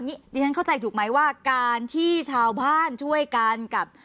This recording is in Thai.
ดิฉันเข้าใจถูกไหมว่าการที่ชาวบ้านช่วยกันกับ